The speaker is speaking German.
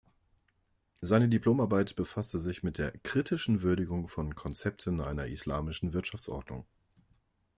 Seine Diplomarbeit befasste sich mit der „kritischen Würdigung von Konzepten einer islamischen Wirtschaftsordnung“.